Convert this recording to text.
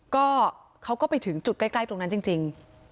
ก็เขาก็ไปถึงจุดใกล้ตรงนั้นจริง